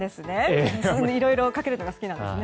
いろいろかけるのが好きなんですね。